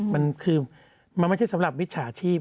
มันไม่ใช่ประถึงสำหรับวิชาชีพ